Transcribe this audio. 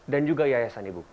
dan juga yayasan ibuku